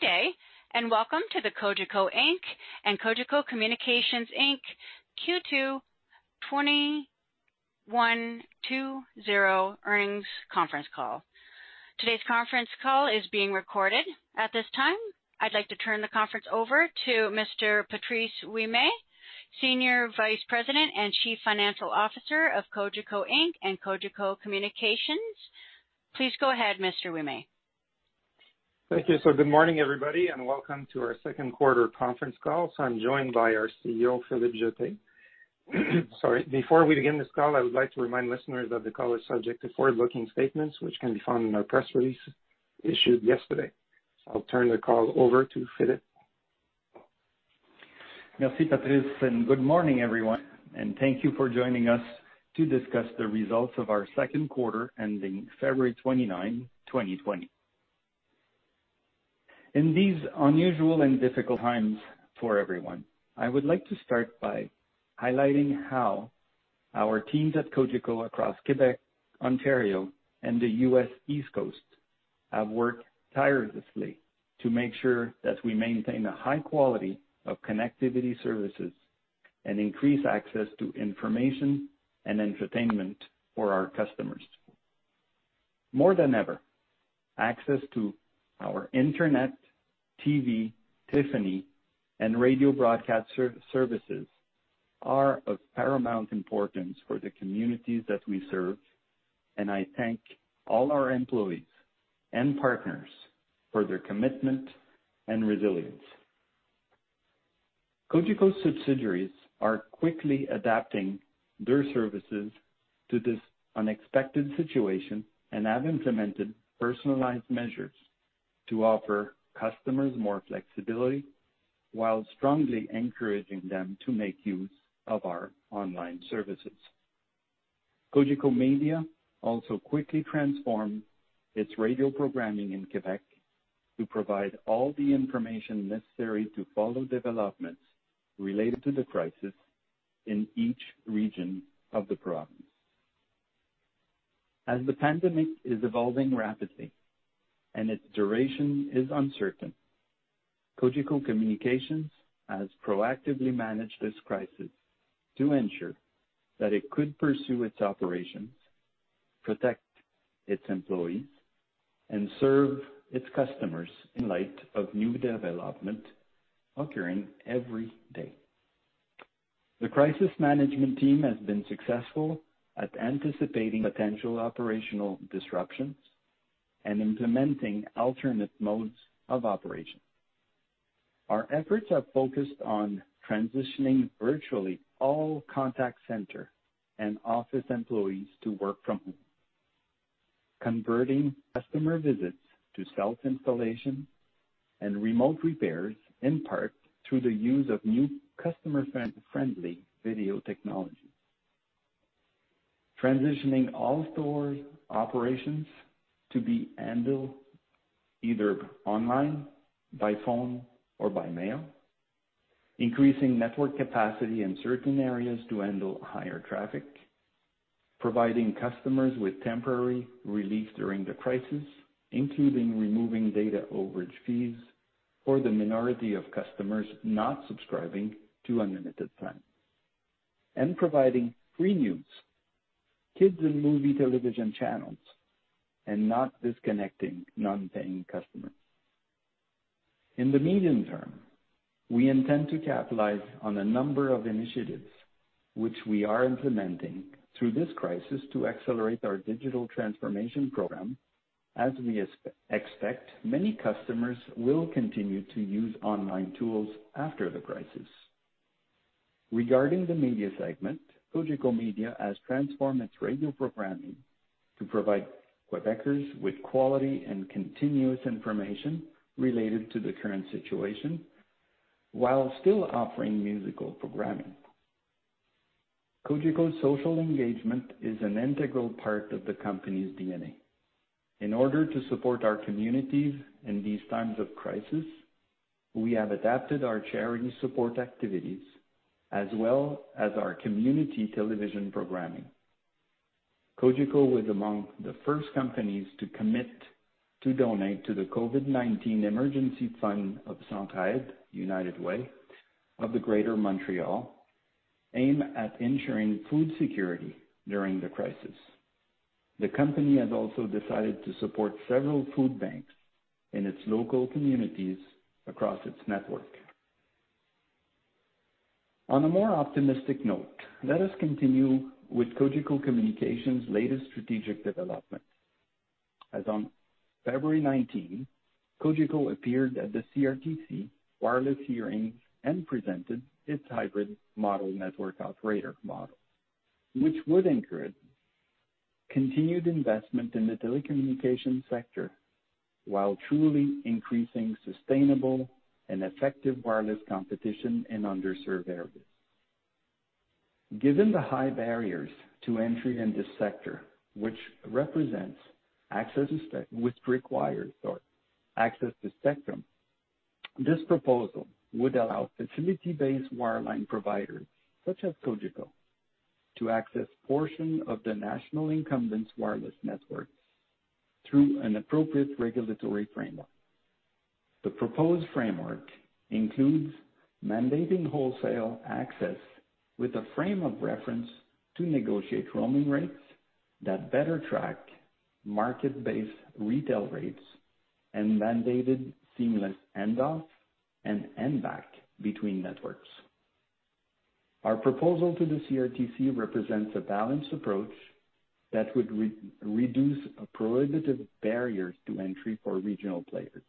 Good day, and welcome to the Cogeco Inc. and Cogeco Communications Inc. Q2 2020 earnings conference call. Today's conference call is being recorded. At this time, I'd like to turn the conference over to Mr. Patrice Ouimet, Senior Vice President and Chief Financial Officer of Cogeco Inc. and Cogeco Communications. Please go ahead, Mr. Ouimet. Thank you. Good morning, everybody, and welcome to our second quarter conference call. I'm joined by our CEO, Philippe Jetté. Sorry. Before we begin this call, I would like to remind listeners that the call is subject to forward-looking statements, which can be found in our press release issued yesterday. I'll turn the call over to Philippe. Merci, Patrice. Good morning, everyone, and thank you for joining us to discuss the results of our second quarter ending February 29th, 2020. In these unusual and difficult times for everyone, I would like to start by highlighting how our teams at Cogeco across Quebec, Ontario, and the U.S. East Coast have worked tirelessly to make sure that we maintain a high quality of connectivity services and increase access to information and entertainment for our customers. More than ever, access to our internet, TV, telephony, and radio broadcast services are of paramount importance for the communities that we serve, and I thank all our employees and partners for their commitment and resilience. Cogeco subsidiaries are quickly adapting their services to this unexpected situation and have implemented personalized measures to offer customers more flexibility while strongly encouraging them to make use of our online services. Cogeco Média also quickly transformed its radio programming in Quebec to provide all the information necessary to follow developments related to the crisis in each region of the province. As the pandemic is evolving rapidly and its duration is uncertain, Cogeco Communications has proactively managed this crisis to ensure that it could pursue its operations, protect its employees, and serve its customers in light of new development occurring every day. The crisis management team has been successful at anticipating potential operational disruptions and implementing alternate modes of operation. Our efforts are focused on transitioning virtually all contact center and office employees to work from home, converting customer visits to self-installation and remote repairs, in part through the use of new customer-friendly video technology. Transitioning all store operations to be handled either online, by phone, or by mail, increasing network capacity in certain areas to handle higher traffic, providing customers with temporary relief during the crisis, including removing data overage fees for the minority of customers not subscribing to unlimited plans, and providing free news, kids and movie television channels, and not disconnecting non-paying customers. In the medium term, we intend to capitalize on a number of initiatives which we are implementing through this crisis to accelerate our digital transformation program, as we expect many customers will continue to use online tools after the crisis. Regarding the media segment, Cogeco Média has transformed its radio programming to provide Quebecers with quality and continuous information related to the current situation while still offering musical programming. Cogeco's social engagement is an integral part of the company's DNA. In order to support our communities in these times of crisis, we have adapted our charity support activities, as well as our community television programming. Cogeco was among the first companies to commit to donate to the COVID-19 Emergency Fund of Centraide United Way of the Greater Montreal, aimed at ensuring food security during the crisis. The company has also decided to support several food banks in its local communities across its network. On a more optimistic note, let us continue with Cogeco Communications' latest strategic developments. As on February 19, Cogeco appeared at the CRTC wireless hearing and presented its hybrid model network operator model, which would anchor its continued investment in the telecommunications sector while truly increasing sustainable and effective wireless competition in underserved areas. Given the high barriers to entry in this sector, which requires access to spectrum. This proposal would allow facility-based wireline providers, such as Cogeco, to access portion of the national incumbents' wireless networks through an appropriate regulatory framework. The proposed framework includes mandating wholesale access with a frame of reference to negotiate roaming rates that better track market-based retail rates and mandated seamless handoff and handback between networks. Our proposal to the CRTC represents a balanced approach that would reduce prohibitive barriers to entry for regional players,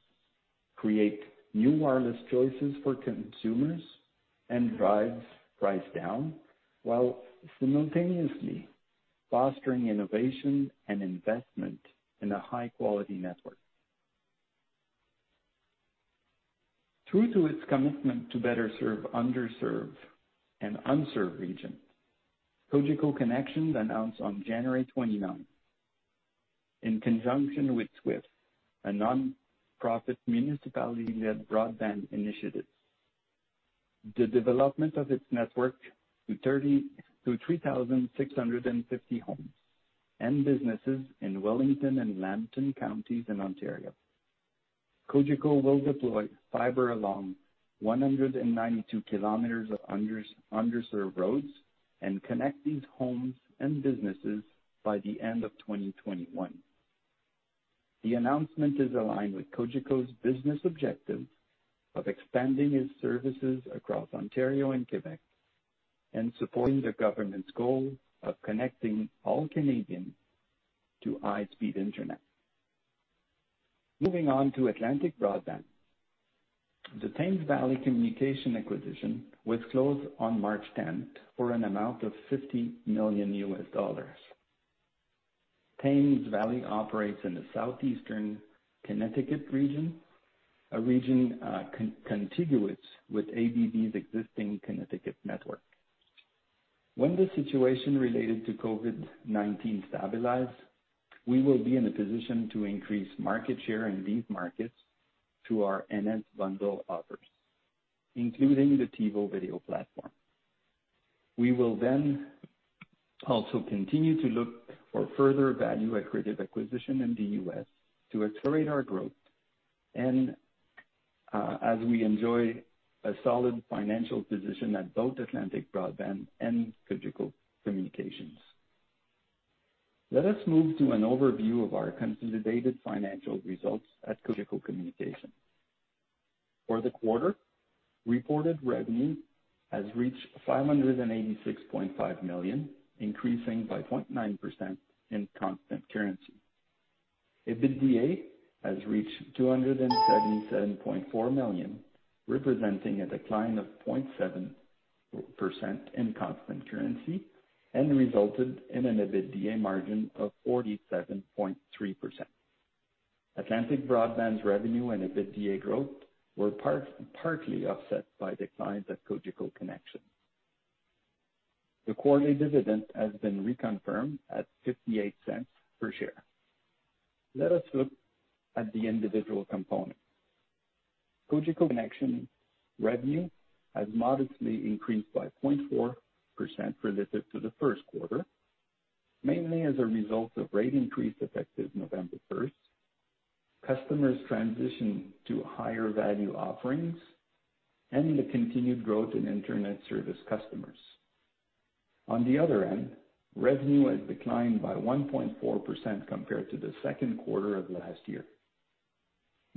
create new wireless choices for consumers, and drives price down, while simultaneously fostering innovation and investment in a high-quality network. True to its commitment to better serve underserved and unserved regions, Cogeco Connexion announced on January 29, in conjunction with SWIFT, a non-profit municipality-led broadband initiative, the development of its network to 3,650 homes and businesses in Wellington and Lambton counties in Ontario. Cogeco will deploy fiber along 192 km of underserved roads and connect these homes and businesses by the end of 2021. The announcement is aligned with Cogeco's business objective of expanding its services across Ontario and Quebec and supporting the government's goal of connecting all Canadians to high-speed internet. Moving on to Atlantic Broadband. The Thames Valley Communications acquisition was closed on March 10th for an amount of $50 million. Thames Valley operates in the Southeastern Connecticut region, a region contiguous with ABB's existing Connecticut network. When the situation related to COVID-19 stabilizes, we will be in a position to increase market share in these markets to our NS bundle offers, including the TiVo video platform. We will then also continue to look for further value-accretive acquisition in the U.S. to accelerate our growth, and as we enjoy a solid financial position at both Atlantic Broadband and Cogeco Communications. Let us move to an overview of our consolidated financial results at Cogeco Communications. For the quarter, reported revenue has reached 586.5 million, increasing by 0.9% in constant currency. EBITDA has reached 277.4 million, representing a decline of 0.7% in constant currency and resulted in an EBITDA margin of 47.3%. Atlantic Broadband's revenue and EBITDA growth were partly offset by declines at Cogeco Connexion. The quarterly dividend has been reconfirmed at 0.58 per share. Let us look at the individual components. Cogeco Connexion revenue has modestly increased by 0.4% relative to the first quarter, mainly as a result of rate increase effective November 1st, customers transition to higher-value offerings, and the continued growth in internet service customers. On the other end, revenue has declined by 1.4% compared to the second quarter of last year.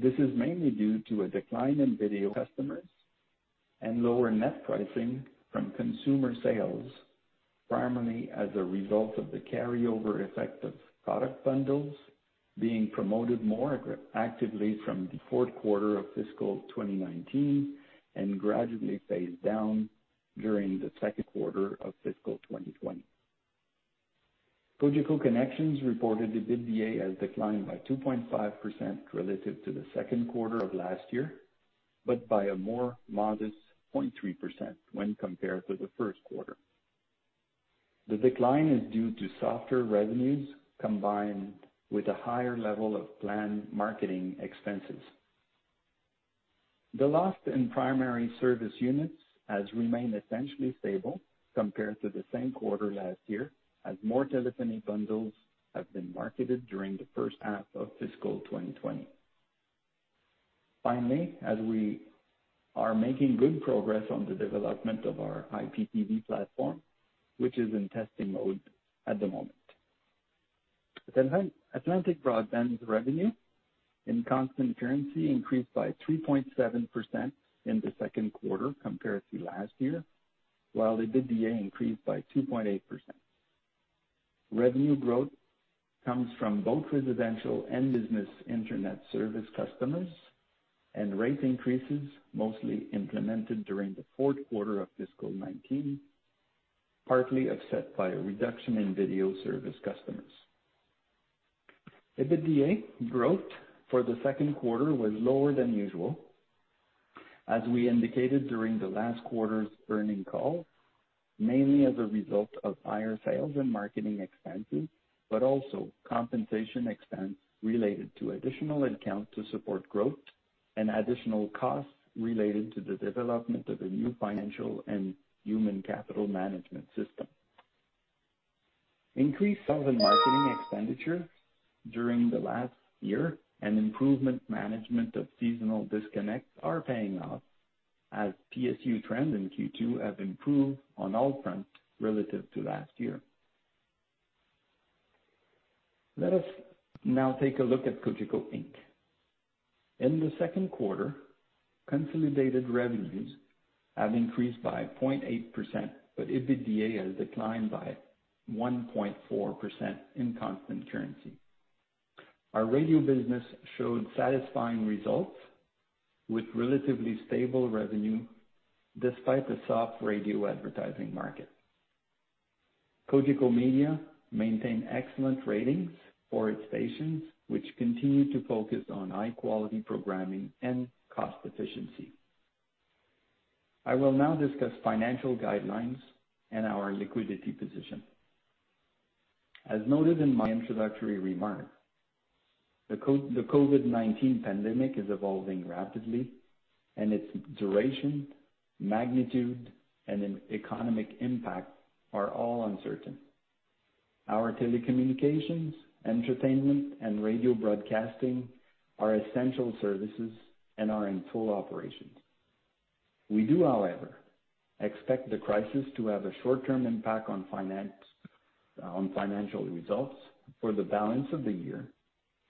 This is mainly due to a decline in video customers and lower net pricing from consumer sales, primarily as a result of the carryover effect of product bundles being promoted more actively from the fourth quarter of fiscal 2019 and gradually phased down during the second quarter of fiscal 2020. Cogeco Connexion reported EBITDA has declined by 2.5% relative to the second quarter of last year, but by a more modest 0.3% when compared to the first quarter. The decline is due to softer revenues combined with a higher level of planned marketing expenses. The loss in primary service units has remained essentially stable compared to the same quarter last year, as more telephony bundles have been marketed during the first half of fiscal 2020. Finally, as we are making good progress on the development of our IPTV platform, which is in testing mode at the moment. Atlantic Broadband's revenue in constant currency increased by 3.7% in the second quarter compared to last year, while EBITDA increased by 2.8%. Revenue growth comes from both residential and business Internet service customers and rate increases mostly implemented during the fourth quarter of fiscal 2019, partly offset by a reduction in video service customers. EBITDA growth for the second quarter was lower than usual. As we indicated during the last quarter's earnings call. Mainly as a result of higher sales and marketing expenses, but also compensation expense related to additional headcount to support growth and additional costs related to the development of a new financial and human capital management system. Increased sales and marketing expenditure during the last year and improvement management of seasonal disconnects are paying off as PSU trends in Q2 have improved on all fronts relative to last year. Let us now take a look at Cogeco Inc. In the second quarter, consolidated revenues have increased by 0.8%, but EBITDA has declined by 1.4% in constant currency. Our radio business showed satisfying results with relatively stable revenue despite the soft radio advertising market. Cogeco Média maintained excellent ratings for its stations, which continue to focus on high-quality programming and cost efficiency. I will now discuss financial guidelines and our liquidity position. As noted in my introductory remarks, the COVID-19 pandemic is evolving rapidly, and its duration, magnitude, and economic impact are all uncertain. Our telecommunications, entertainment, and radio broadcasting are essential services and are in full operation. We do, however, expect the crisis to have a short-term impact on financial results for the balance of the year,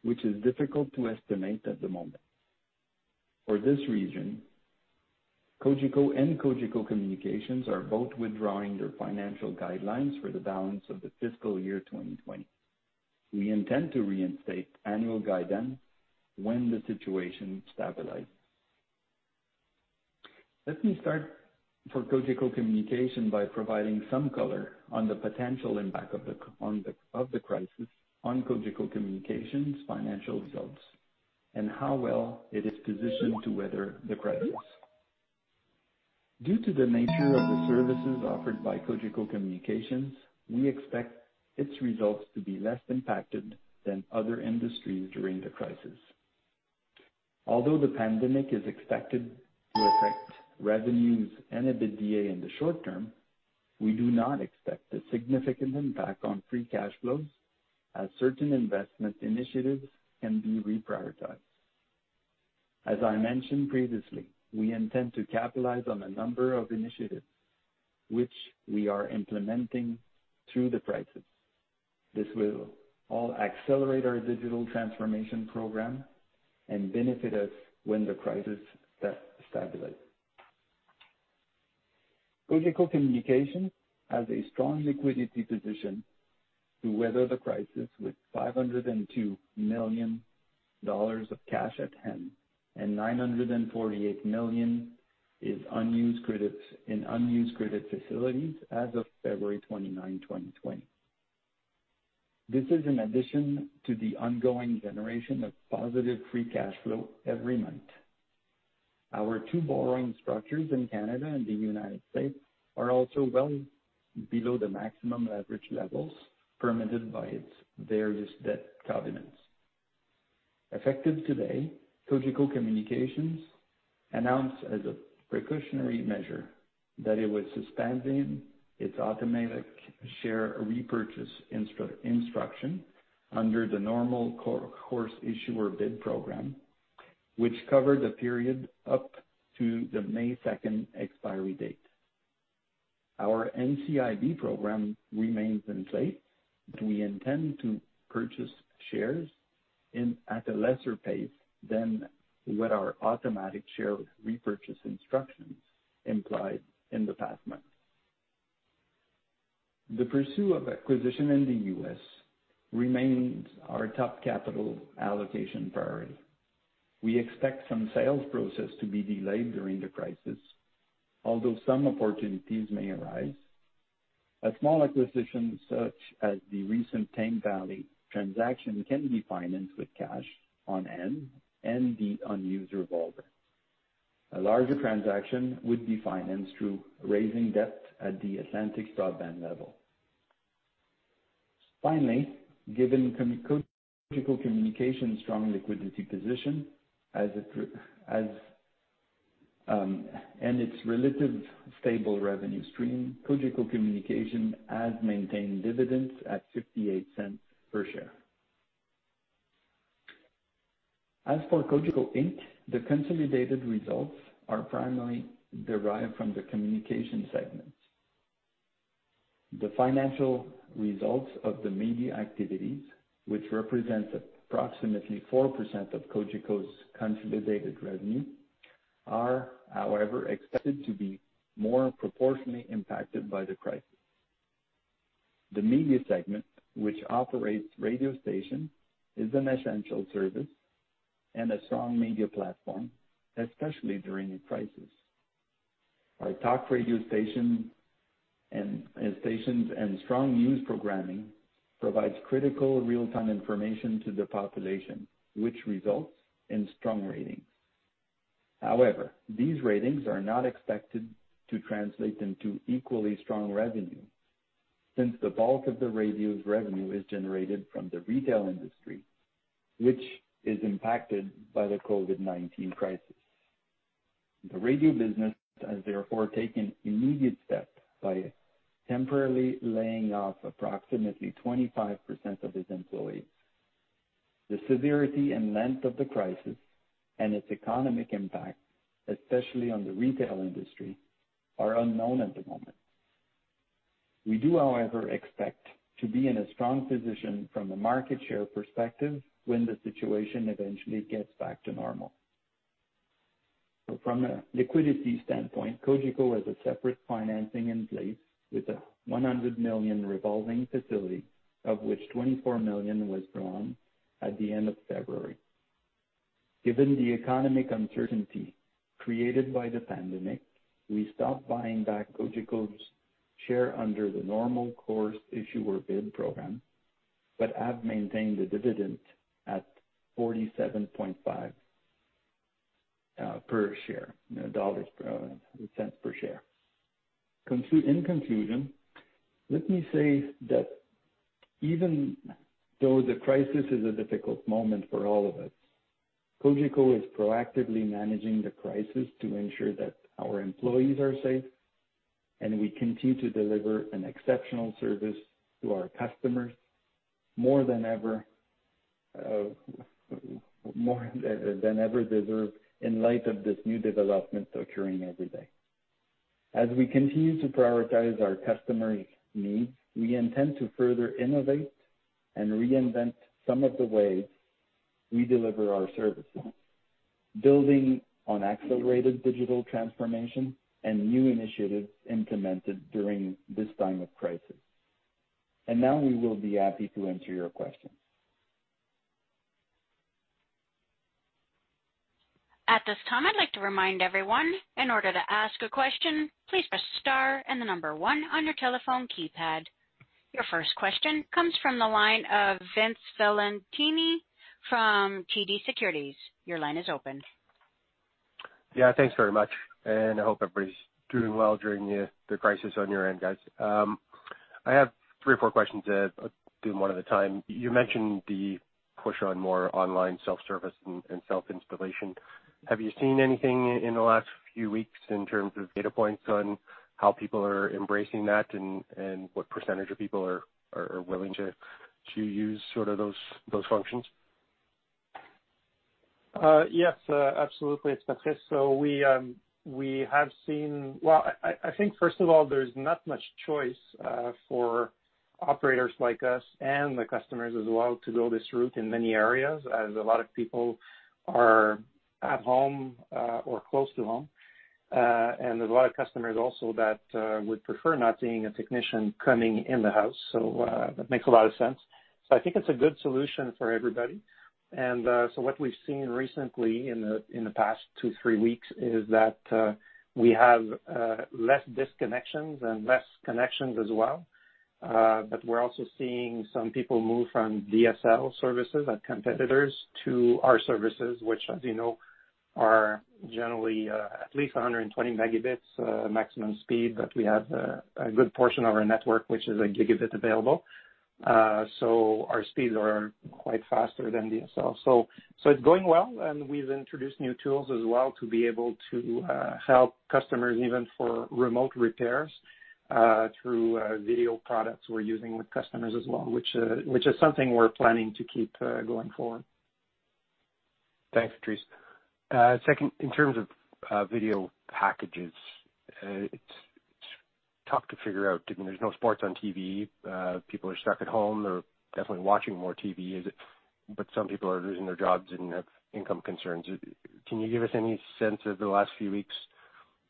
which is difficult to estimate at the moment. For this reason, Cogeco and Cogeco Communications are both withdrawing their financial guidelines for the balance of the fiscal year 2020. We intend to reinstate annual guidance when the situation stabilizes. Let me start for Cogeco Communications by providing some color on the potential impact of the crisis on Cogeco Communications' financial results and how well it is positioned to weather the crisis. Due to the nature of the services offered by Cogeco Communications, we expect its results to be less impacted than other industries during the crisis. Although the pandemic is expected to affect revenues and EBITDA in the short term, we do not expect a significant impact on free cash flows as certain investment initiatives can be reprioritized. As I mentioned previously, we intend to capitalize on a number of initiatives which we are implementing through the crisis. This will all accelerate our digital transformation program and benefit us when the crisis stabilizes. Cogeco Communications has a strong liquidity position to weather the crisis, with 502 million dollars of cash at hand and 948 million in unused credit facilities as of February 29, 2020. This is in addition to the ongoing generation of positive free cash flow every month. Our two borrowing structures in Canada and the U.S. are also well below the maximum leverage levels permitted by its various debt covenants. Effective today, Cogeco Communications announced as a precautionary measure that it was suspending its automatic share repurchase instruction under the normal course issuer bid program, which covered the period up to the May 2nd expiry date. Our NCIB program remains in place, but we intend to purchase shares at a lesser pace than what our automatic share repurchase instructions implied in the past months. The pursuit of acquisition in the U.S. remains our top capital allocation priority. We expect some sales process to be delayed during the crisis, although some opportunities may arise. A small acquisition such as the recent Thames Valley transaction can be financed with cash on hand and the unused revolver. A larger transaction would be financed through raising debt at the Atlantic Broadband level. Finally, given Cogeco Communications strong liquidity position and its relative stable revenue stream, Cogeco Communications has maintained dividends at 0.58 per share. As for Cogeco Inc, the consolidated results are primarily derived from the communication segments. The financial results of the media activities, which represents approximately 4% of Cogeco's consolidated revenue, are, however, expected to be more proportionately impacted by the crisis. The media segment, which operates radio stations, is an essential service and a strong media platform, especially during a crisis. Our talk radio stations and strong news programming provides critical real-time information to the population, which results in strong ratings. These ratings are not expected to translate into equally strong revenue, since the bulk of the radio's revenue is generated from the retail industry, which is impacted by the COVID-19 crisis. The radio business has therefore taken immediate steps by temporarily laying off approximately 25% of its employees. The severity and length of the crisis and its economic impact, especially on the retail industry, are unknown at the moment. We do, however, expect to be in a strong position from a market share perspective when the situation eventually gets back to normal. From a liquidity standpoint, Cogeco has a separate financing in place with a 100 million revolving facility, of which 24 million was drawn at the end of February. Given the economic uncertainty created by the pandemic, we stopped buying back Cogeco's share under the normal course issuer bid program, but have maintained the dividend at 0.475 per share. In conclusion, let me say that even though the crisis is a difficult moment for all of us, Cogeco is proactively managing the crisis to ensure that our employees are safe, and we continue to deliver an exceptional service to our customers more than ever deserve in light of this new development occurring every day. As we continue to prioritize our customers' needs, we intend to further innovate and reinvent some of the ways we deliver our services, building on accelerated digital transformation and new initiatives implemented during this time of crisis. Now we will be happy to answer your questions. At this time, I'd like to remind everyone, in order to ask a question, please press star and the number 1 on your telephone keypad. Your first question comes from the line of Vince Valentini from TD Securities. Your line is open. Thanks very much. I hope everybody's doing well during the crisis on your end, guys. I have three or four questions. I'll do them one at a time. You mentioned the push on more online self-service and self-installation. Have you seen anything in the last few weeks in terms of data points on how people are embracing that and what % of people are willing to use those functions? Yes. Absolutely. It's Patrice. Well, I think first of all, there's not much choice for operators like us and the customers as well to go this route in many areas, as a lot of people are at home or close to home. There's a lot of customers also that would prefer not seeing a technician coming in the house. That makes a lot of sense. I think it's a good solution for everybody. What we've seen recently in the past two, three weeks is that, we have less disconnections and less connections as well. We're also seeing some people move from DSL services at competitors to our services, which as you know, are generally at least 120 Mbps maximum speed. We have a good portion of our network which is a gigabit available. Our speeds are quite faster than DSL. It's going well, and we've introduced new tools as well to be able to help customers, even for remote repairs, through video products we're using with customers as well, which is something we're planning to keep going forward. Thanks, Patrice. Second, in terms of video packages, it's tough to figure out. I mean, there's no sports on TV. People are stuck at home. They're definitely watching more TV. Some people are losing their jobs and have income concerns. Can you give us any sense of the last few weeks?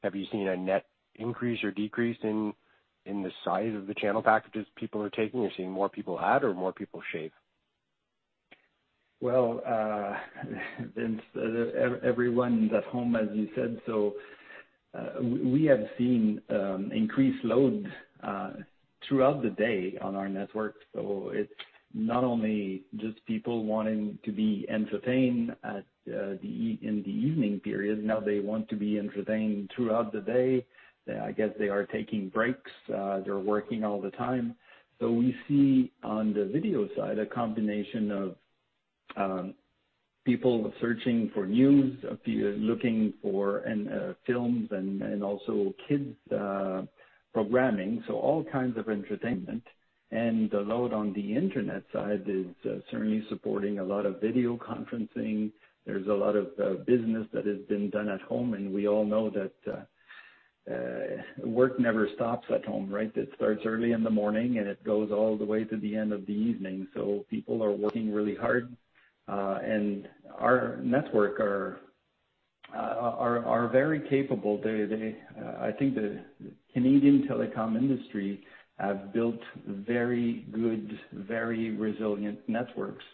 Have you seen a net increase or decrease in the size of the channel packages people are taking, or seeing more people add or more people shave? Well, Vince, everyone's at home, as you said. We have seen increased load throughout the day on our network. It's not only just people wanting to be entertained in the evening period. Now they want to be entertained throughout the day. I guess they are taking breaks. They're working all the time. We see on the video side a combination of people searching for news, looking for films and also kids programming. All kinds of entertainment. The load on the internet side is certainly supporting a lot of video conferencing. There's a lot of business that has been done at home, and we all know that work never stops at home, right? It starts early in the morning, and it goes all the way to the end of the evening. People are working really hard. Our network are very capable. I think the Canadian telecom industry has built very good, very resilient networks.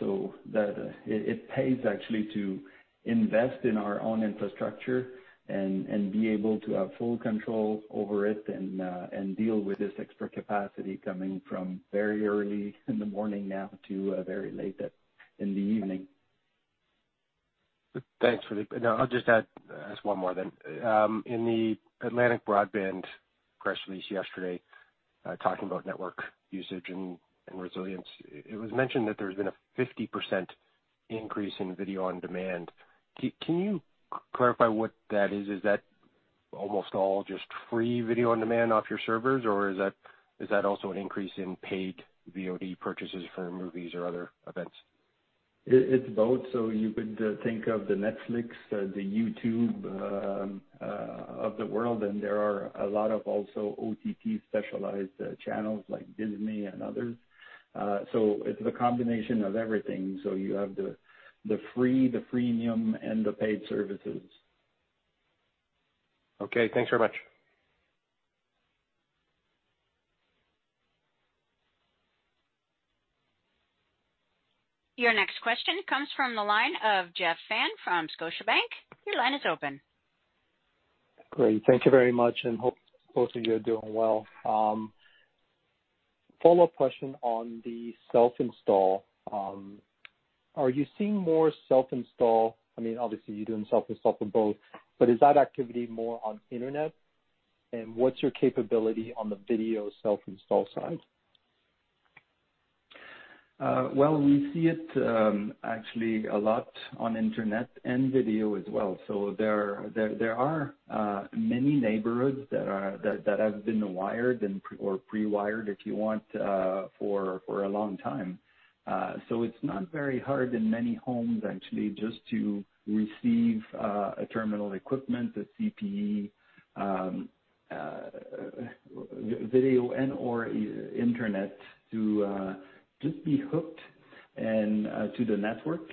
It pays actually to invest in our own infrastructure and be able to have full control over it and deal with this extra capacity coming from very early in the morning now to very late in the evening. Thanks, Philippe. I'll just ask one more then. In the Atlantic Broadband press release yesterday, talking about network usage and resilience, it was mentioned that there's been a 50% increase in video on demand. Can you clarify what that is? Is that almost all just free video on demand off your servers, or is that also an increase in paid VOD purchases for movies or other events? It's both. You could think of Netflix, YouTube of the world, and there are a lot of also OTT specialized channels like Disney and others. It's a combination of everything. You have the free, the freemium, and the paid services. Okay, thanks very much. Your next question comes from the line of Jeff Fan from Scotiabank. Your line is open. Great. Thank you very much. Hope both of you are doing well. Follow-up question on the self-install. Are you seeing more self-install? Obviously, you're doing self-install for both, but is that activity more on internet, and what's your capability on the video self-install side? We see it actually a lot on internet and video as well. There are many neighborhoods that have been wired or pre-wired, if you want, for a long time. It's not very hard in many homes, actually, just to receive a terminal equipment, a CPE, video and/or internet to just be hooked to the network.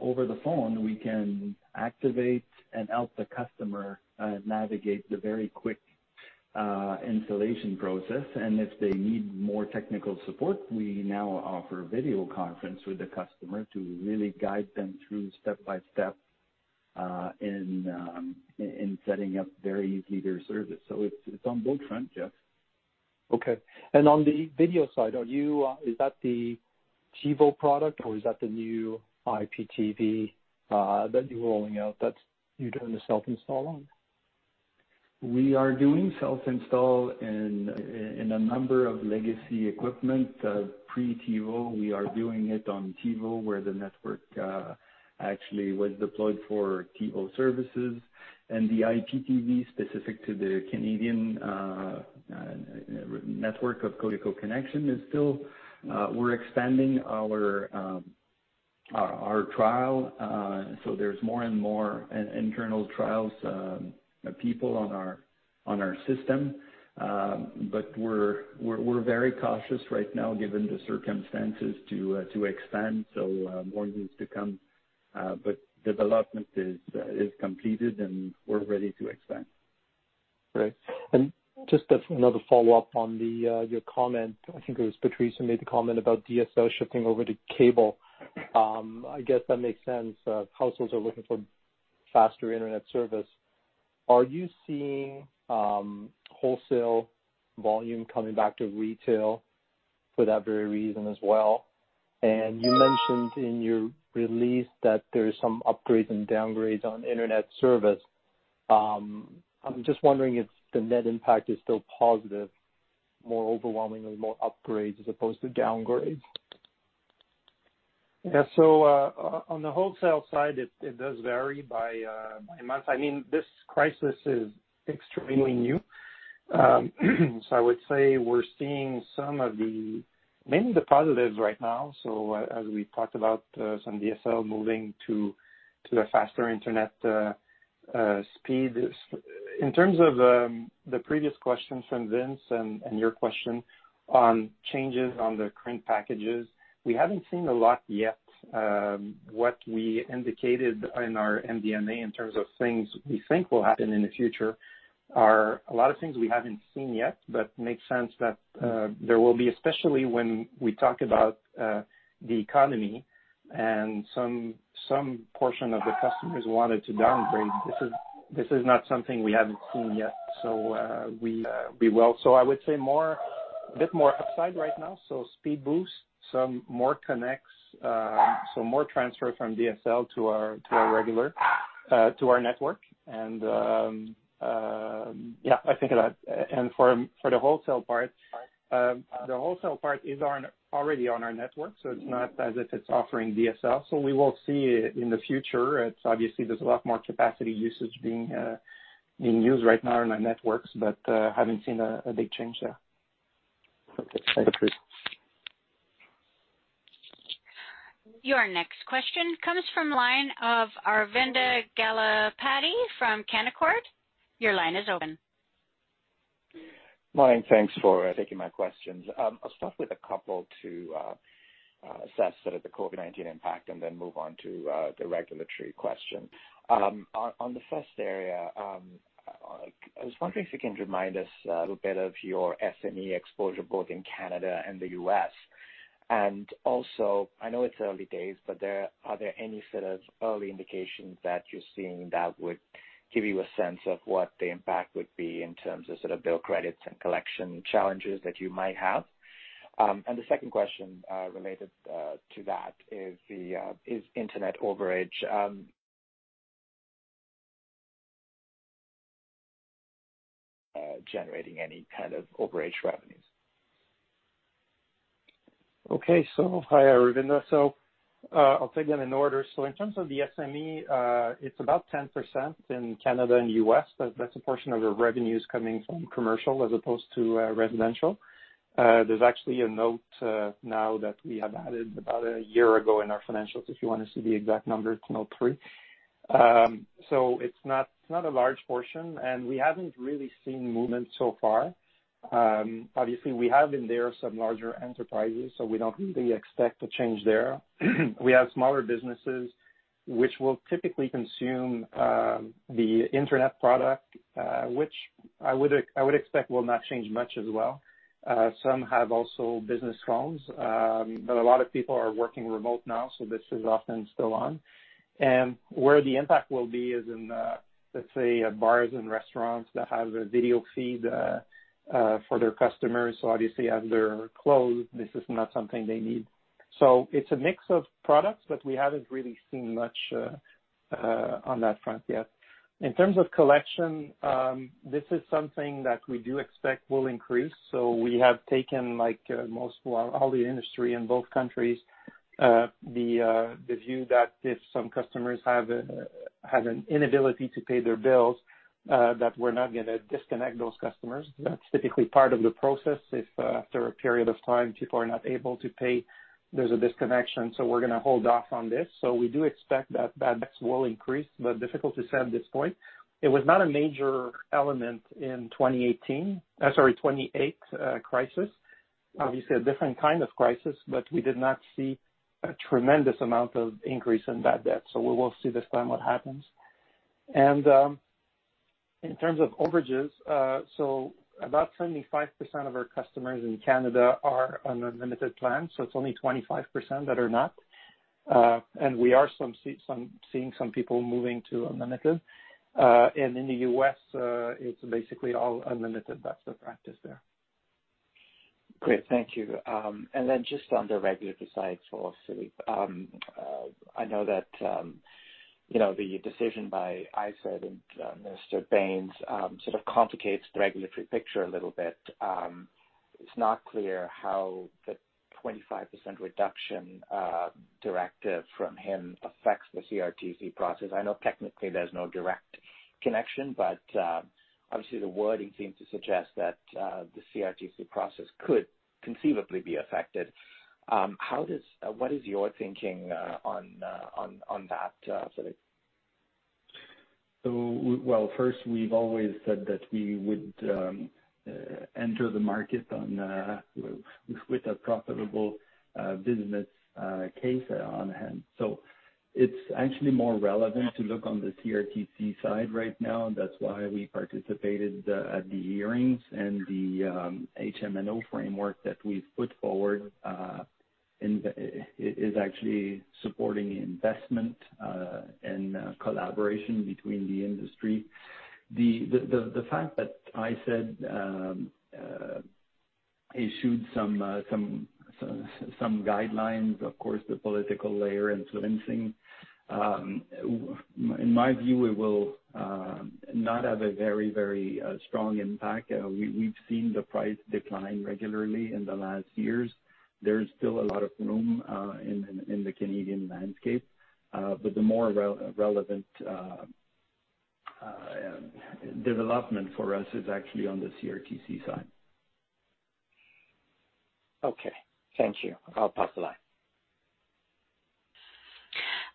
Over the phone, we can activate and help the customer navigate the very quick installation process. If they need more technical support, we now offer video conference with the customer to really guide them through step by step in setting up very easily their service. It's on both fronts, Jeff. Okay. On the video side, is that the TiVo product, or is that the new IPTV that you're rolling out, that you're doing the self-install on? We are doing self-install in a number of legacy equipment, pre-TiVo. We are doing it on TiVo, where the network actually was deployed for TiVo services. The IPTV specific to the Canadian network of Cogeco Connexion is still We're expanding our trial, so there's more and more internal trials, people on our system. We're very cautious right now, given the circumstances, to expand. More is to come. Development is completed, and we're ready to expand. Great. Just as another follow-up on your comment, I think it was Patrice who made the comment about DSL shifting over to cable. I guess that makes sense. Households are looking for faster internet service. Are you seeing wholesale volume coming back to retail for that very reason as well? You mentioned in your release that there are some upgrades and downgrades on internet service. I'm just wondering if the net impact is still positive, more overwhelmingly more upgrades as opposed to downgrades. Yeah. On the wholesale side, it does vary by month. This crisis is extremely new. I would say we're seeing mainly the positives right now, as we talked about some DSL moving to the faster internet speeds. In terms of the previous question from Vince and your question on changes on the current packages, we haven't seen a lot yet. What we indicated in our MD&A in terms of things we think will happen in the future are a lot of things we haven't seen yet, but makes sense that there will be, especially when we talk about the economy and some portion of the customers wanted to downgrade. This is not something we haven't seen yet. I would say a bit more upside right now. Speed boost, some more connects, so more transfer from DSL to our network. For the wholesale part, the wholesale part is already on our network, so it's not as if it's offering DSL. We will see in the future. Obviously, there's a lot more capacity usage being used right now in our networks, but haven't seen a big change there. Okay. Thanks, Patrice. Your next question comes from line of Aravinda Galappatthige from Canaccord. Your line is open. Morning. Thanks for taking my questions. I'll start with a couple to assess the COVID-19 impact and then move on to the regulatory question. On the first area, I was wondering if you can remind us a little bit of your SME exposure, both in Canada and the U.S. I know it's early days, but are there any set of early indications that you're seeing that would give you a sense of what the impact would be in terms of bill credits and collection challenges that you might have? The second question related to that is internet overage, generating any kind of overage revenues. Okay. Hi, Aravinda. I'll take them in order. In terms of the SME, it's about 10% in Canada and U.S. That's a portion of the revenues coming from commercial as opposed to residential. There's actually a note now that we have added about a year ago in our financials, if you want to see the exact numbers, note three. It's not a large portion, and we haven't really seen movement so far. Obviously, we have in there some larger enterprises, so we don't really expect a change there. We have smaller businesses which will typically consume the internet product, which I would expect will not change much as well. Some have also business phones, but a lot of people are working remote now, so this is often still on. Where the impact will be is in, let's say, bars and restaurants that have a video feed for their customers. Obviously, as they're closed, this is not something they need. It's a mix of products, but we haven't really seen much on that front yet. In terms of collection, this is something that we do expect will increase. We have taken like all the industry in both countries, the view that if some customers have an inability to pay their bills, that we're not going to disconnect those customers. That's typically part of the process. If after a period of time, people are not able to pay, there's a disconnection. We're going to hold off on this. We do expect that bad debts will increase, but difficult to say at this point. It was not a major element in 2018, sorry, 2008 crisis. A different kind of crisis, but we did not see a tremendous amount of increase in bad debt. We will see this time what happens. In terms of overages, about 75% of our customers in Canada are on unlimited plans, it's only 25% that are not. We are seeing some people moving to unlimited. In the U.S., it's basically all unlimited. That's the practice there. Great. Thank you. Then just on the regulatory side for Philippe. I know that the decision by ISED and Mr. Bains sort of complicates the regulatory picture a little bit. It's not clear how the 25% reduction directive from him affects the CRTC process. I know technically there's no direct connection, but obviously the wording seems to suggest that the CRTC process could conceivably be affected. What is your thinking on that, Philippe? First, we've always said that we would enter the market with a profitable business case on hand. It's actually more relevant to look on the CRTC side right now. That's why we participated at the hearings and the HMNO framework that we've put forward is actually supporting investment and collaboration between the industry. The fact that ISED issued some guidelines, of course, the political layer influencing. In my view, it will not have a very strong impact. We've seen the price decline regularly in the last years. There's still a lot of room in the Canadian landscape. The more relevant development for us is actually on the CRTC side. Okay. Thank you. I'll pass the line.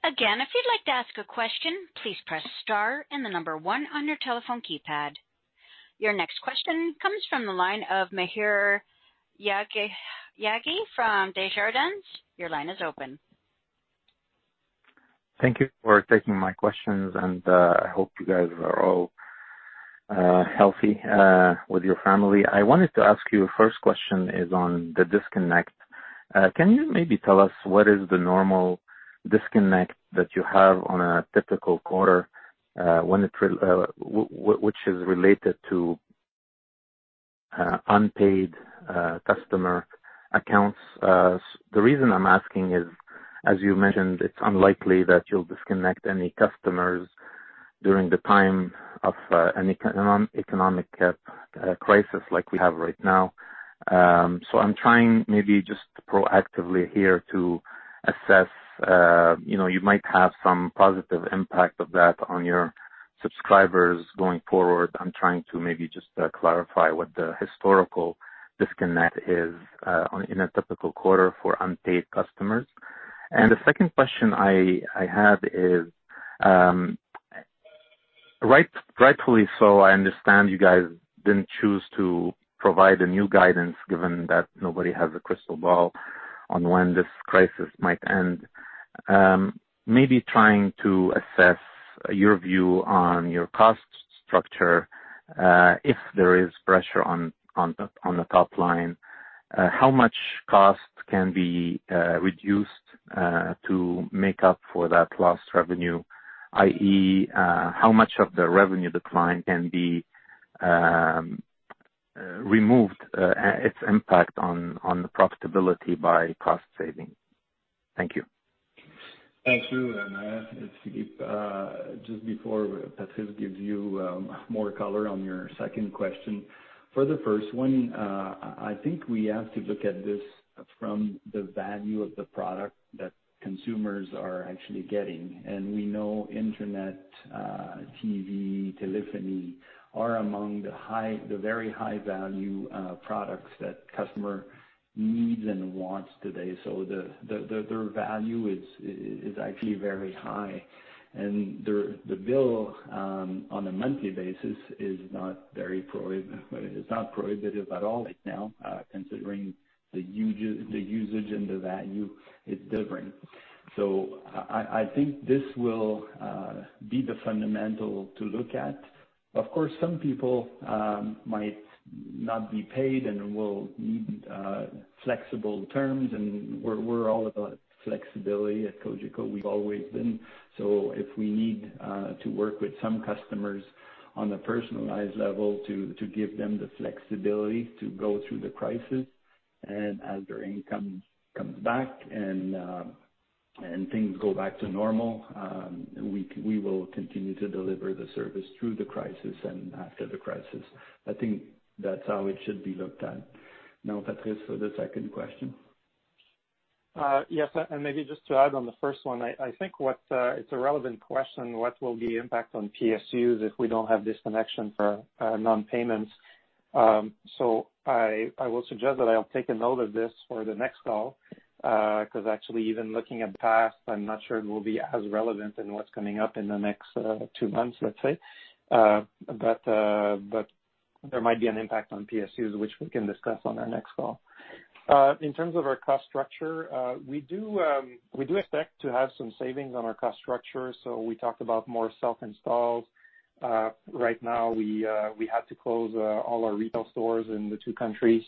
Again, if you'd like to ask a question, please press star and the number one on your telephone keypad. Your next question comes from the line of Maher Yaghi from Desjardins. Your line is open. Thank you for taking my questions. I hope you guys are all healthy with your family. I wanted to ask you, first question is on the disconnect. Can you maybe tell us what is the normal disconnect that you have on a typical quarter, which is related to unpaid customer accounts? The reason I'm asking is, as you mentioned, it's unlikely that you'll disconnect any customers during the time of an economic crisis like we have right now. I'm trying maybe just proactively here to assess, you might have some positive impact of that on your subscribers going forward. I'm trying to maybe just clarify what the historical disconnect is in a typical quarter for unpaid customers. The second question I have is, rightfully so, I understand you guys didn't choose to provide a new guidance given that nobody has a crystal ball on when this crisis might end. Maybe trying to assess your view on your cost structure, if there is pressure on the top line, how much cost can be reduced to make up for that lost revenue? I.e., how much of the revenue decline can be removed, its impact on the profitability by cost saving? Thank you. Thanks, Yu. It's Philippe. Just before Patrice gives you more color on your second question, for the first one, I think we have to look at this from the value of the product that consumers are actually getting. We know internet, TV, telephony are among the very high-value products that customer needs and wants today. Their value is actually very high, and the bill on a monthly basis is not prohibitive at all right now, considering the usage and the value is different. I think this will be the fundamental to look at. Of course, some people might not be paid and will need flexible terms, and we're all about flexibility at Cogeco. We've always been. If we need to work with some customers on a personalized level to give them the flexibility to go through the crisis, and as their income comes back and things go back to normal, we will continue to deliver the service through the crisis and after the crisis. I think that's how it should be looked at. Patrice, for the second question. Yes, maybe just to add on the first one, I think it's a relevant question, what will be impact on PSUs if we don't have disconnection for non-payments. I will suggest that I'll take a note of this for the next call, because actually even looking at the past, I'm not sure it will be as relevant in what's coming up in the next two months, let's say. There might be an impact on PSUs, which we can discuss on our next call. In terms of our cost structure, we do expect to have some savings on our cost structure. We talked about more self-installs. Right now, we had to close all our retail stores in the two countries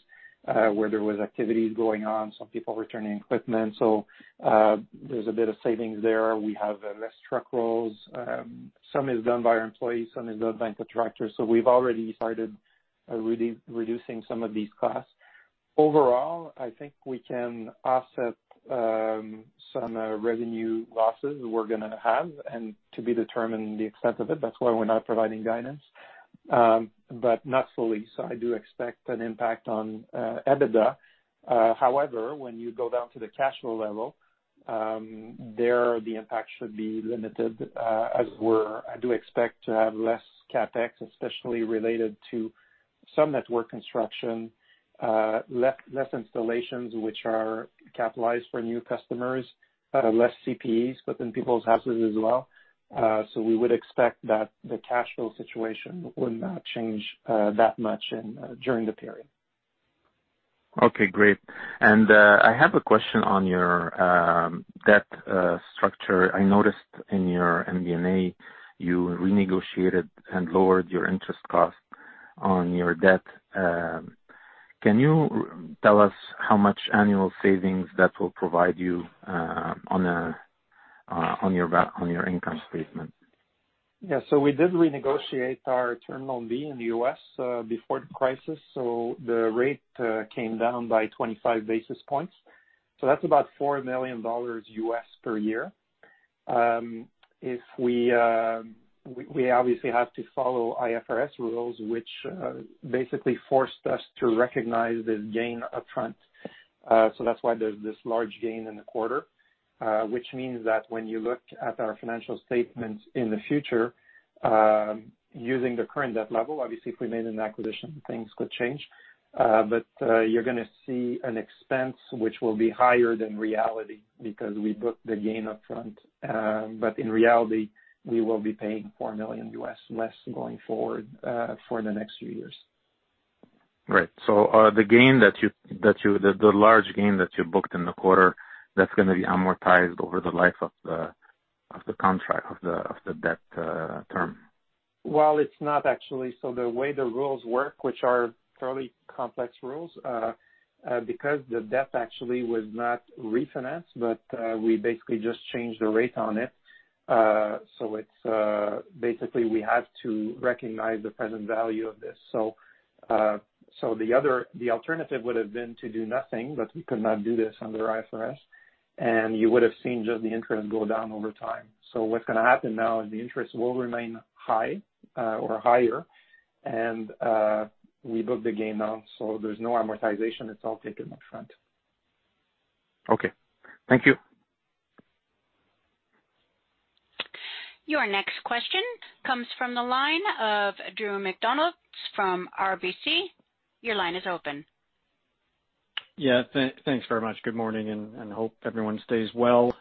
where there was activities going on, some people returning equipment. There's a bit of savings there. We have less truck rolls. Some is done by our employees, some is done by contractors. We've already started reducing some of these costs. Overall, I think we can offset some revenue losses we're gonna have, and to be determined the extent of it, that's why we're not providing guidance. Not fully. I do expect an impact on EBITDA. However, when you go down to the cash flow level, there, the impact should be limited. I do expect to have less CapEx, especially related to some network construction, less installations, which are capitalized for new customers, less CPEs within people's houses as well. We would expect that the cash flow situation would not change that much during the period. Okay, great. I have a question on your debt structure. I noticed in your MD&A, you renegotiated and lowered your interest cost on your debt. Can you tell us how much annual savings that will provide you on your income statement? Yeah, we did renegotiate our term loan B in the U.S. before the crisis. The rate came down by 25 basis points. That's about $4 million per year. We obviously have to follow IFRS rules, which basically forced us to recognize the gain upfront. That's why there's this large gain in the quarter. Which means that when you look at our financial statements in the future, using the current debt level, obviously, if we made an acquisition, things could change. You're gonna see an expense which will be higher than reality because we booked the gain upfront. In reality, we will be paying $4 million less going forward for the next few years. Right. The large gain that you booked in the quarter, that's gonna be amortized over the life of the contract, of the debt term. Well, it's not actually. The way the rules work, which are fairly complex rules, because the debt actually was not refinanced, but we basically just changed the rate on it. Basically, we have to recognize the present value of this. The alternative would have been to do nothing, but we could not do this under IFRS, and you would have seen just the interest go down over time. What's gonna happen now is the interest will remain high or higher, and we booked the gain now, so there's no amortization. It's all taken upfront. Okay. Thank you. Your next question comes from the line of Drew McReynolds from RBC. Your line is open. Yeah, thanks very much. Good morning. Hope everyone stays well.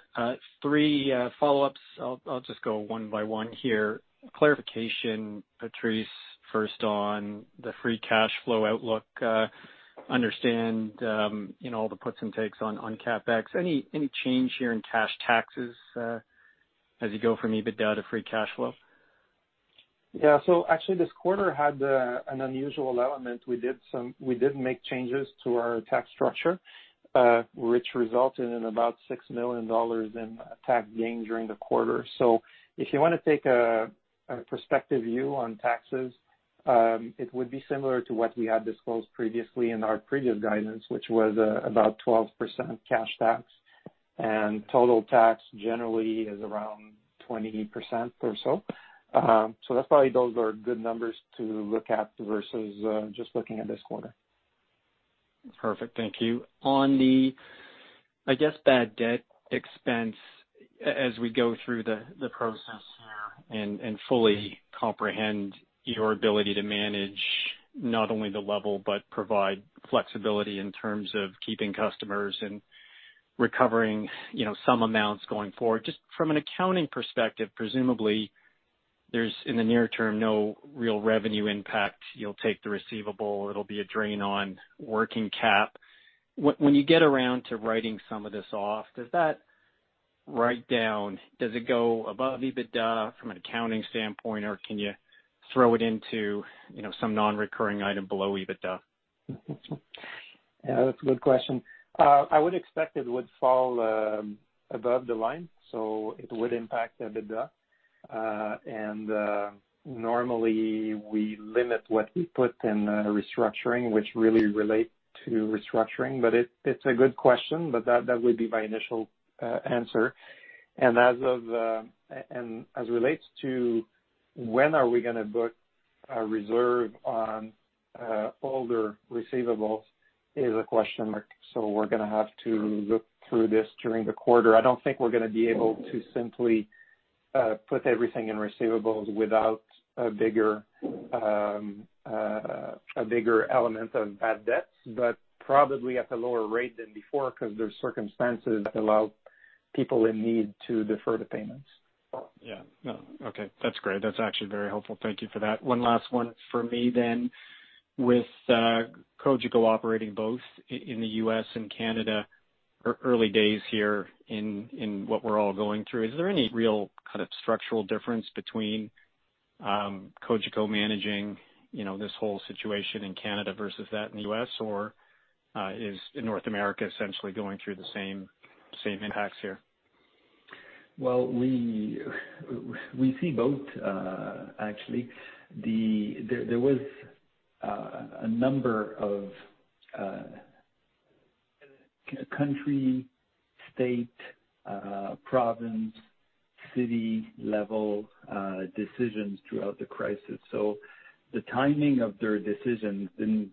Three follow-ups. I'll just go one by one here. Clarification, Patrice, first on the free cash flow outlook. Understand all the puts and takes on CapEx. Any change here in cash taxes as you go from EBITDA to free cash flow? Yeah. Actually this quarter had an unusual element. We did make changes to our tax structure, which resulted in about 6 million dollars in tax gain during the quarter. If you want to take a prospective view on taxes, it would be similar to what we had disclosed previously in our previous guidance, which was about 12% cash tax and total tax generally is around 20% or so. That's why those are good numbers to look at versus just looking at this quarter. Perfect. Thank you. On the, I guess, bad debt expense as we go through the process here and fully comprehend your ability to manage not only the level, but provide flexibility in terms of keeping customers and recovering some amounts going forward. Just from an accounting perspective, presumably there's, in the near term, no real revenue impact. You'll take the receivable, it'll be a drain on working cap. When you get around to writing some of this off, does that write down, does it go above EBITDA from an accounting standpoint, or can you throw it into some non-recurring item below EBITDA? Yeah, that's a good question. I would expect it would fall above the line, so it would impact the EBITDA. Normally we limit what we put in restructuring, which really relate to restructuring. It's a good question. That would be my initial answer. As relates to when are we going to book a reserve on older receivables is a question mark. We're going to have to look through this during the quarter. I don't think we're going to be able to simply put everything in receivables without a bigger element of bad debts, but probably at a lower rate than before because there's circumstances that allow people in need to defer the payments. Yeah. No. Okay. That's great. That's actually very helpful. Thank you for that. One last one from me then. With Cogeco operating both in the U.S. and Canada, early days here in what we're all going through, is there any real kind of structural difference between Cogeco managing this whole situation in Canada versus that in the U.S., or is North America essentially going through the same impacts here? We see both actually. There was a number of country, state, province, city level decisions throughout the crisis. The timing of their decisions didn't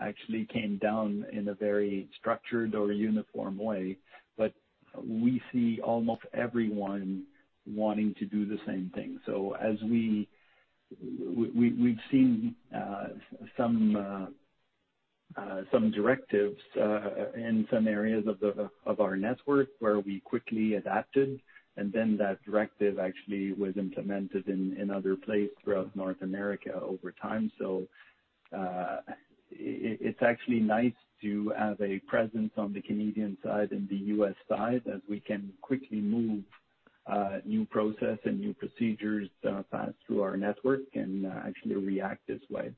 actually came down in a very structured or uniform way, but we see almost everyone wanting to do the same thing. As we've seen some directives in some areas of our network where we quickly adapted and then that directive actually was implemented in other places throughout North America over time. It's actually nice to have a presence on the Canadian side and the U.S. side, as we can quickly move new process and new procedures fast through our network and actually react this way,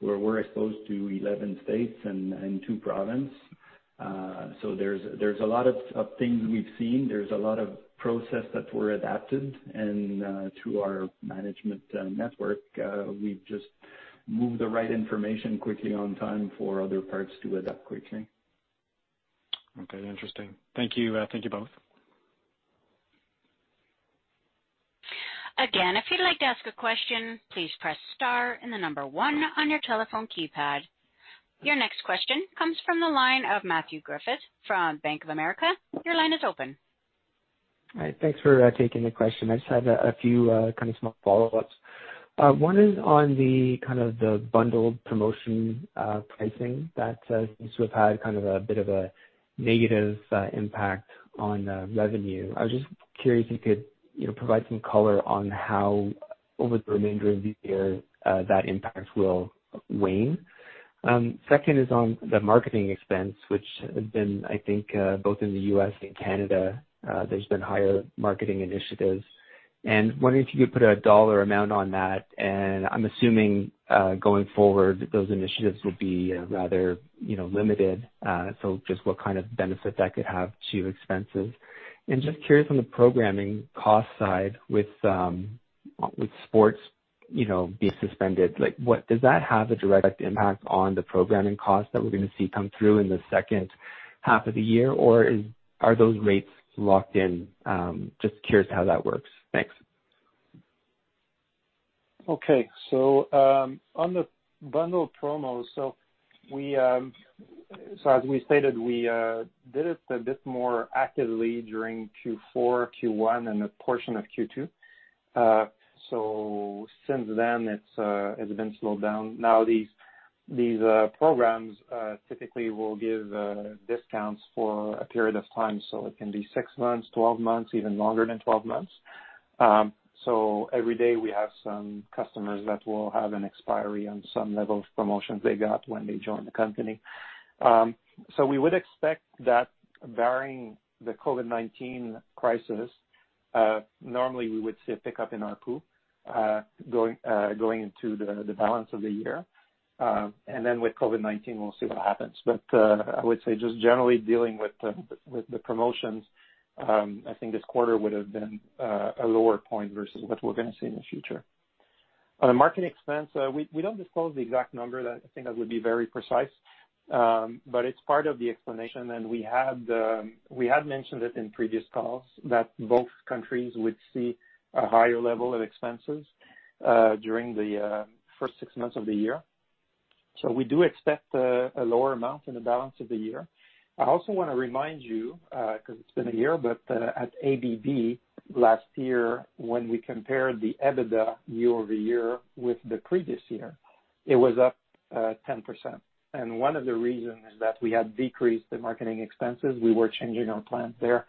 where we're exposed to 11 states and two province. There's a lot of things we've seen. There's a lot of process that were adapted and through our management network. We've just moved the right information quickly on time for other parts to adapt quickly. Okay, interesting. Thank you. Thank you both. Again, if you'd like to ask a question, please press star and the number one on your telephone keypad. Your next question comes from the line of Matthew Griffiths from Bank of America. Your line is open. Hi. Thanks for taking the question. I just have a few kind of small follow-ups. One is on the kind of the bundled promotion pricing that seems to have had kind of a bit of a negative impact on revenue. I was just curious if you could provide some color on how over the remainder of the year that impact will wane. Second is on the marketing expense, which has been, I think both in the U.S. and Canada, there's been higher marketing initiatives. Wondering if you could put a dollar amount on that, and I'm assuming, going forward, those initiatives will be rather limited. Just what kind of benefit that could have to expenses. Just curious on the programming cost side with sports being suspended, does that have a direct impact on the programming costs that we're going to see come through in the second half of the year, or are those rates locked in? Just curious how that works. Thanks. On the bundle promos, as we stated, we did it a bit more actively during Q4, Q1 and a portion of Q2. Since then it's been slowed down. These programs, typically will give discounts for a period of time. It can be six months, 12 months, even longer than 12 months. Every day we have some customers that will have an expiry on some level of promotions they got when they joined the company. We would expect that barring the COVID-19 crisis, normally we would see a pickup in our pool going into the balance of the year. With COVID-19, we'll see what happens. I would say just generally dealing with the promotions, I think this quarter would have been a lower point versus what we're going to see in the future. On the marketing expense, we don't disclose the exact number. I think that would be very precise. It's part of the explanation, and we had mentioned it in previous calls that both countries would see a higher level of expenses during the first six months of the year. We do expect a lower amount in the balance of the year. I also want to remind you, because it's been a year, but at Atlantic Broadband last year, when we compared the EBITDA year-over-year with the previous year, it was up 10%. One of the reasons is that we had decreased the marketing expenses. We were changing our plan there.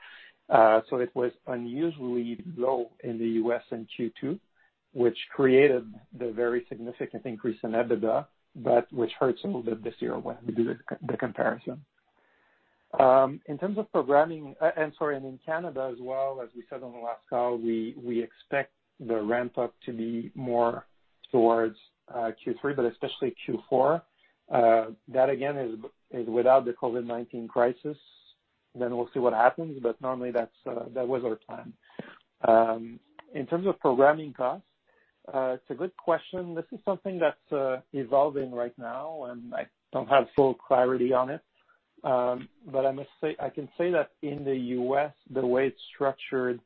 It was unusually low in the U.S. in Q2, which created the very significant increase in EBITDA, but which hurts a little bit this year when we do the comparison. In terms of programming, and sorry, and in Canada as well, as we said on the last call, we expect the ramp-up to be more towards Q3, but especially Q4. That again is without the COVID-19 crisis, then we'll see what happens, but normally that was our plan. In terms of programming costs, it's a good question. This is something that's evolving right now, and I don't have full clarity on it. I can say that in the U.S., the way it's structured,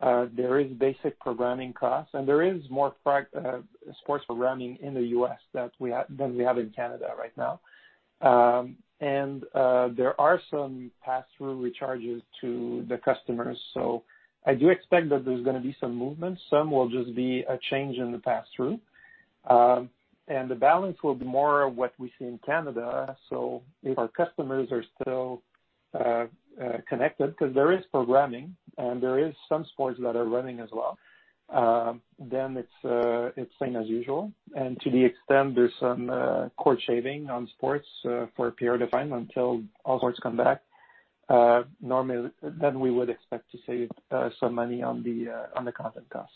there is basic programming costs, and there is more sports programming in the U.S. than we have in Canada right now. There are some pass-through recharges to the customers. I do expect that there's going to be some movement. Some will just be a change in the pass-through. The balance will be more of what we see in Canada. If our customers are still connected, because there is programming and there is some sports that are running as well, then it's same as usual. To the extent there's some cord shaving on sports for a period of time until all sports come back, normally then we would expect to save some money on the content cost.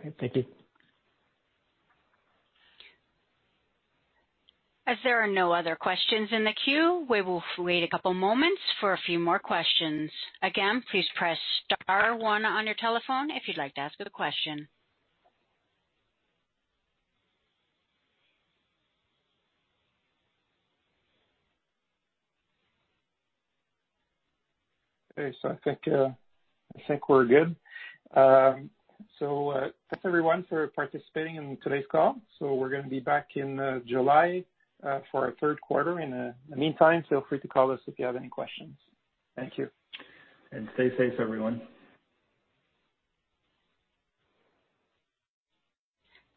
Great. Thank you. As there are no other questions in the queue, we will wait a couple of moments for a few more questions. Again, please press star one on your telephone if you'd like to ask a question. Okay. I think we're good. Thanks, everyone, for participating in today's call. We're going to be back in July for our third quarter. In the meantime, feel free to call us if you have any questions. Thank you. Stay safe, everyone.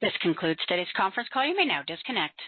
This concludes today's conference call. You may now disconnect.